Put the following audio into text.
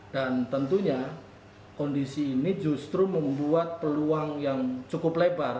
dan tentunya kondisi ini justru membuat peluang yang cukup lebar